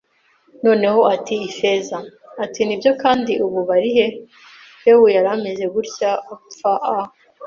“Noneho?” ati Ifeza. Ati: “Nibyo, kandi ubu barihe? Pew yari ameze gutya, apfa a